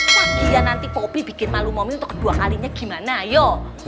bagian nanti poppy bikin malu momi untuk kedua kalinya gimana